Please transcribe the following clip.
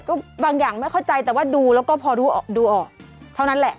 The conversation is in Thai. ก็บางอย่างไม่เข้าใจแต่ว่าดูแล้วก็พอดูออกเท่านั้นแหละ